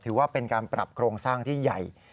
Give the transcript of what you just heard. ถือว่าเป็นการปรับโครงสร้างที่ใหญ่